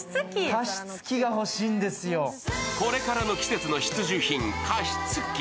これからの季節の必需品、加湿器。